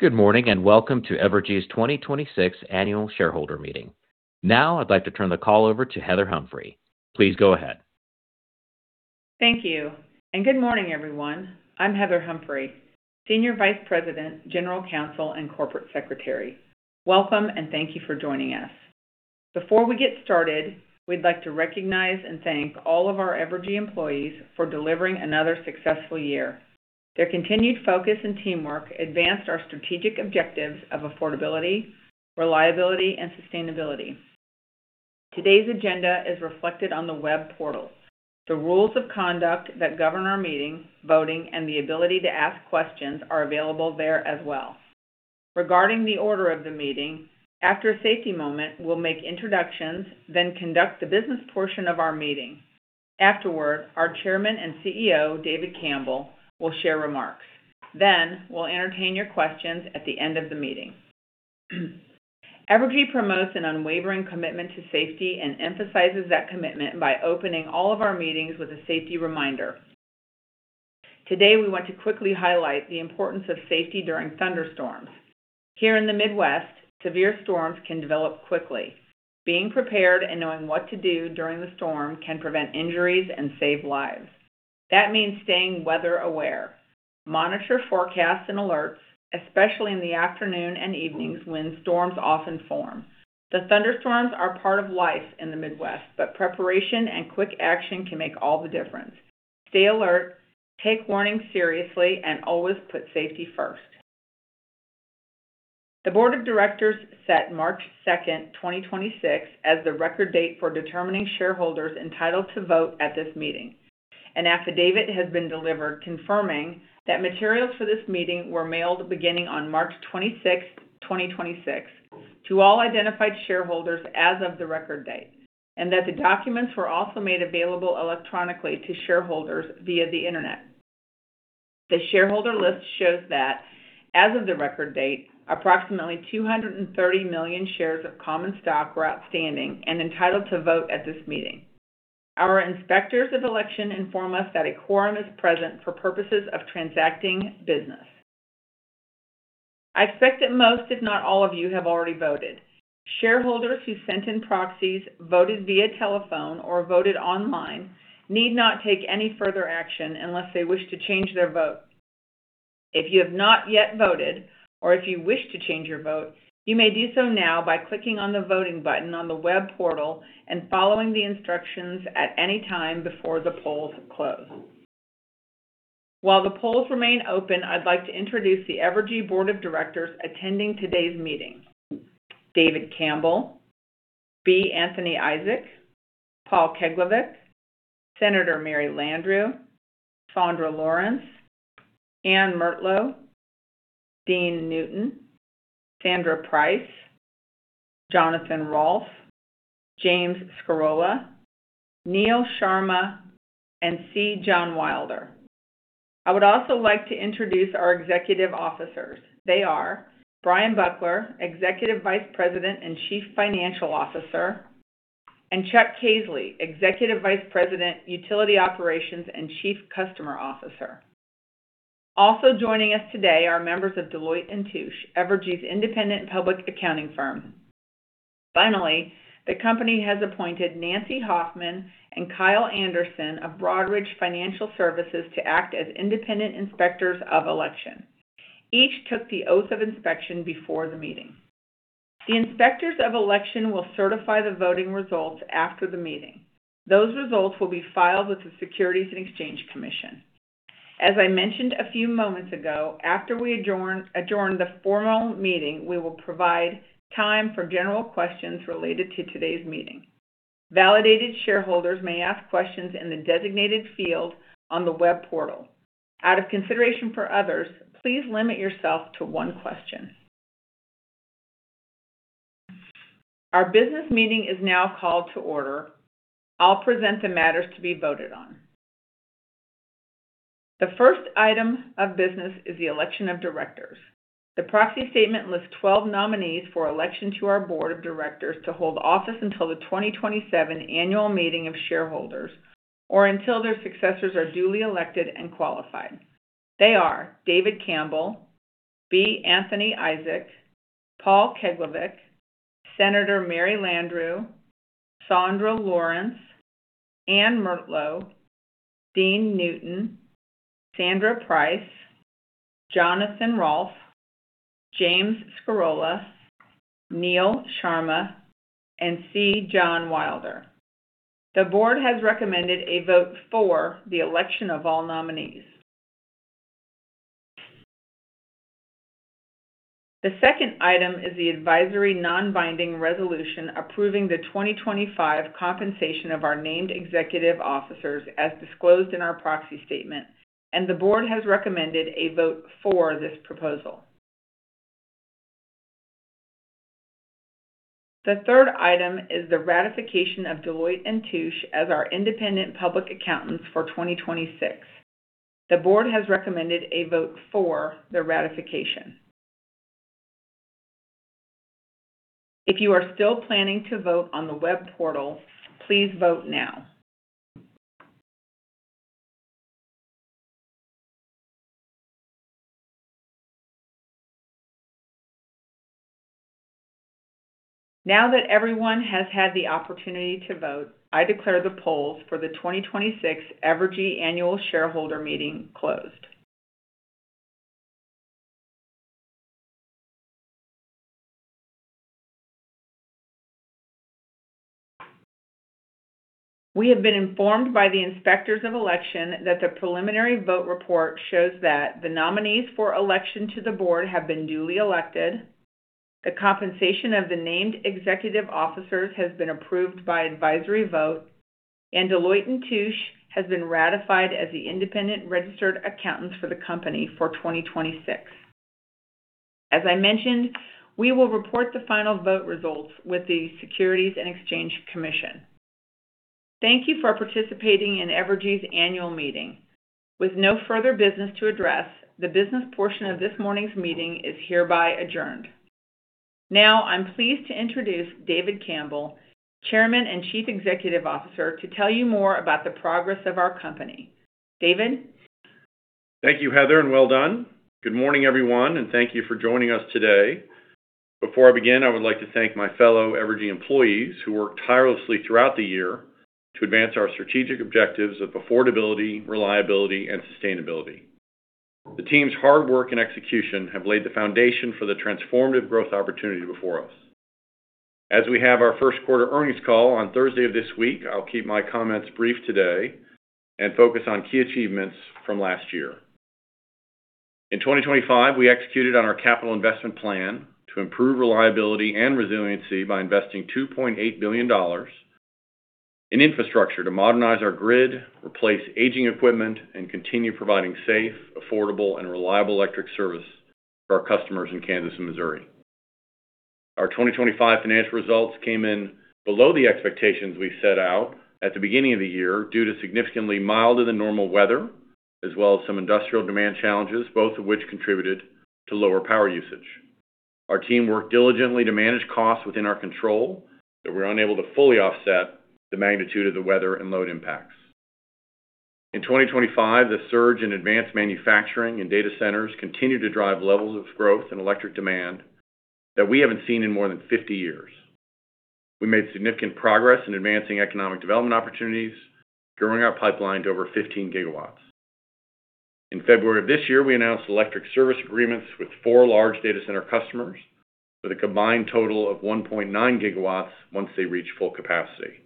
Good morning, and welcome to Evergy's 2026 Annual Shareholder Meeting. Now I'd like to turn the call over to Heather Humphrey. Please go ahead. Thank you. Good morning, everyone. I'm Heather Humphrey, Senior Vice President, General Counsel and Corporate Secretary. Welcome, and thank you for joining us. Before we get started, we'd like to recognize and thank all of our Evergy employees for delivering another successful year. Their continued focus and teamwork advanced our strategic objectives of affordability, reliability, and sustainability. Today's agenda is reflected on the web portal. The rules of conduct that govern our meeting, voting, and the ability to ask questions are available there as well. Regarding the order of the meeting, after a safety moment, we'll make introductions, then conduct the business portion of our meeting. Afterward, our Chairman and CEO, David Campbell, will share remarks. We'll entertain your questions at the end of the meeting. Evergy promotes an unwavering commitment to safety and emphasizes that commitment by opening all of our meetings with a safety reminder. Today, we want to quickly highlight the importance of safety during thunderstorms. Here in the Midwest, severe storms can develop quickly. Being prepared and knowing what to do during the storm can prevent injuries and save lives. That means staying weather-aware. Monitor forecasts and alerts, especially in the afternoon and evenings when storms often form. The thunderstorms are part of life in the Midwest, but preparation and quick action can make all the difference. Stay alert, take warnings seriously, and always put safety first. The Board of Directors set March 2nd, 2026 as the record date for determining shareholders entitled to vote at this meeting. An affidavit has been delivered confirming that materials for this meeting were mailed beginning on March 26th, 2026 to all identified shareholders as of the record date and that the documents were also made available electronically to shareholders via the internet. The shareholder list shows that as of the record date, approximately 230 million shares of common stock were outstanding and entitled to vote at this meeting. Our Inspectors of Election inform us that a quorum is present for purposes of transacting business. I expect that most, if not all of you, have already voted. Shareholders who sent in proxies, voted via telephone, or voted online need not take any further action unless they wish to change their vote. If you have not yet voted or if you wish to change your vote, you may do so now by clicking on the voting button on the web portal and following the instructions at any time before the polls close. While the polls remain open, I'd like to introduce the Evergy Board of Directors attending today's meeting. David Campbell, B. Anthony Isaac, Paul Keglevic, Senator Mary Landrieu, Sandra Lawrence, Ann Murtlow, Dean Newton, Sandra Price, Jonathan Rolph, James Scarola, Neal Sharma, and C. John Wilder. I would also like to introduce our Executive Officers. They are Bryan Buckler, Executive Vice President and Chief Financial Officer, and Chuck Caisley, Executive Vice President, Utility Operations, and Chief Customer Officer. Also joining us today are members of Deloitte & Touche, Evergy's independent public accounting firm. Finally, the company has appointed Nancy Hoffman and Kyle Anderson of Broadridge Financial Solutions to act as independent inspectors of election. Each took the oath of inspection before the meeting. The Inspectors of Election will certify the voting results after the meeting. Those results will be filed with the Securities and Exchange Commission. As I mentioned a few moments ago, after we adjourn the formal meeting, we will provide time for general questions related to today's meeting. Validated shareholders may ask questions in the designated field on the web portal. Out of consideration for others, please limit yourself to one question. Our business meeting is now called to order. I'll present the matters to be voted on. The first item of business is the election of directors. The proxy statement lists 12 nominees for election to our Board of Directors to hold office until the 2027 annual meeting of shareholders or until their successors are duly elected and qualified. They are David Campbell, B. Anthony Isaac, Paul Keglevic, Senator Mary Landrieu, Sandra Lawrence, Ann Murtlow, Dean Newton, Sandra Price, Jonathan Rolph, James Scarola, Neal Sharma, and C. John Wilder. The board has recommended a vote for the election of all nominees. The second item is the advisory non-binding resolution approving the 2025 compensation of our named executive officers as disclosed in our proxy statement, and the board has recommended a vote for this proposal. The third item is the ratification of Deloitte & Touche as our independent public accountants for 2026. The board has recommended a vote for the ratification. If you are still planning to vote on the web portal, please vote now. Now that everyone has had the opportunity to vote, I declare the polls for the 2026 Evergy Annual Shareholder Meeting closed. We have been informed by the Inspectors of Election that the preliminary vote report shows that the nominees for election to the board have been duly elected, the compensation of the named executive officers has been approved by advisory vote, and Deloitte & Touche has been ratified as the independent registered accountants for the company for 2026. As I mentioned, we will report the final vote results with the Securities and Exchange Commission. Thank you for participating in Evergy's Annual Meeting. With no further business to address, the business portion of this morning's meeting is hereby adjourned. Now, I'm pleased to introduce David Campbell, Chairman and Chief Executive Officer, to tell you more about the progress of our company. David? Thank you, Heather, and well done. Good morning, everyone, thank you for joining us today. Before I begin, I would like to thank my fellow Evergy employees who work tirelessly throughout the year to advance our strategic objectives of affordability, reliability, and sustainability. The team's hard work and execution have laid the foundation for the transformative growth opportunity before us. As we have our first quarter earnings call on Thursday of this week, I'll keep my comments brief today and focus on key achievements from last year. In 2025, we executed on our capital investment plan to improve reliability and resiliency by investing $2.8 billion in infrastructure to modernize our grid, replace aging equipment, and continue providing safe, affordable, and reliable electric service for our customers in Kansas and Missouri. Our 2025 financial results came in below the expectations we set out at the beginning of the year due to significantly milder than normal weather, as well as some industrial demand challenges, both of which contributed to lower power usage. Our team worked diligently to manage costs within our control, but we were unable to fully offset the magnitude of the weather and load impacts. In 2025, the surge in advanced manufacturing and data centers continued to drive levels of growth and electric demand that we haven't seen in more than 50 years. We made significant progress in advancing economic development opportunities, growing our pipeline to over 15 GW. In February of this year, we announced electric service agreements with four large data center customers with a combined total of 1.9 GW once they reach full capacity.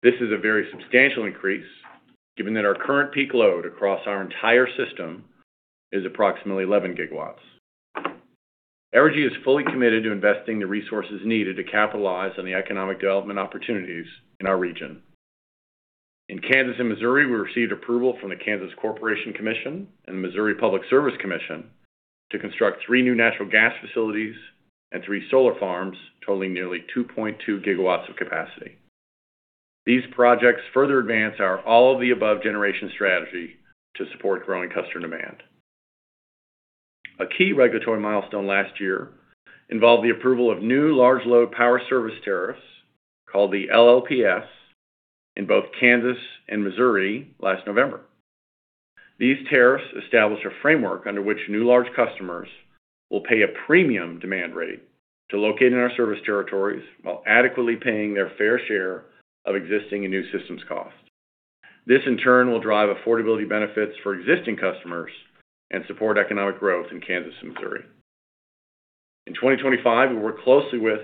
This is a very substantial increase given that our current peak load across our entire system is approximately 11 GW. Evergy is fully committed to investing the resources needed to capitalize on the economic development opportunities in our region. In Kansas and Missouri, we received approval from the Kansas Corporation Commission and the Missouri Public Service Commission to construct three new natural gas facilities and three solar farms totaling nearly 2.2 GW of capacity. These projects further advance our all-of-the-above generation strategy to support growing customer demand. A key regulatory milestone last year involved the approval of new large load power service tariffs, called the LLPS, in both Kansas and Missouri last November. These tariffs established a framework under which new large customers will pay a premium demand rate to locate in our service territories while adequately paying their fair share of existing and new systems costs. This, in turn, will drive affordability benefits for existing customers and support economic growth in Kansas and Missouri. In 2025, we worked closely with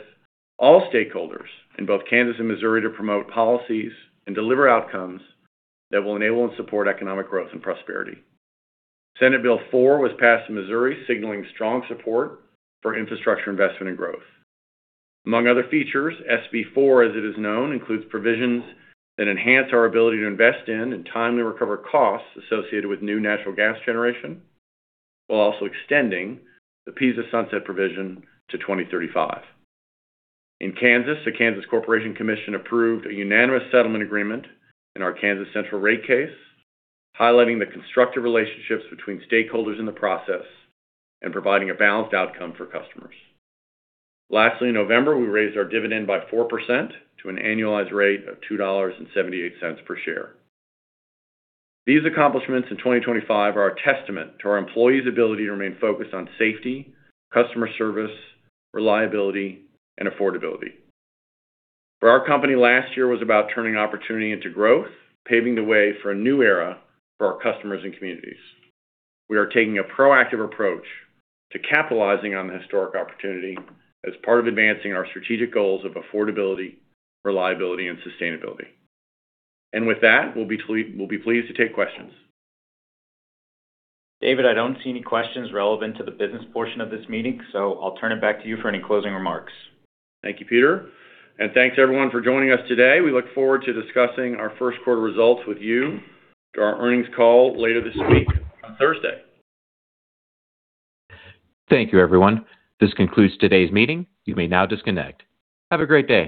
all stakeholders in both Kansas and Missouri to promote policies and deliver outcomes that will enable and support economic growth and prosperity. Senate Bill 4 was passed in Missouri, signaling strong support for infrastructure investment and growth. Among other features, SB 4, as it is known, includes provisions that enhance our ability to invest in and timely recover costs associated with new natural gas generation, while also extending the PISA sunset provision to 2035. In Kansas, the Kansas Corporation Commission approved a unanimous settlement agreement in our Kansas Central rate case, highlighting the constructive relationships between stakeholders in the process and providing a balanced outcome for customers. Lastly, in November, we raised our dividend by 4% to an annualized rate of $2.78 per share. These accomplishments in 2025 are a testament to our employees' ability to remain focused on safety, customer service, reliability, and affordability. For our company, last year was about turning opportunity into growth, paving the way for a new era for our customers and communities. We are taking a proactive approach to capitalizing on the historic opportunity as part of advancing our strategic goals of affordability, reliability, and sustainability. With that, we'll be pleased to take questions. David, I don't see any questions relevant to the business portion of this meeting, so I'll turn it back to you for any closing remarks. Thank you, Peter. Thanks, everyone, for joining us today. We look forward to discussing our first quarter results with you at our earnings call later this week on Thursday. Thank you, everyone. This concludes today's meeting. You may now disconnect. Have a great day.